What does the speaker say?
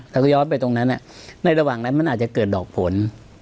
แล้วก็ย้อนไปตรงนั้นในระหว่างนั้นมันอาจจะเกิดดอกผล